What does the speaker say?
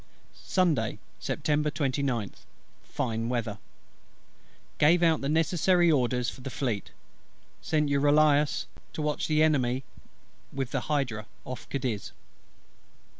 Sunday, Sept. 29th. Fine weather. Gave out the necessary orders for the Fleet. Sent Euryalus to watch the Enemy with the Hydra off Cadiz.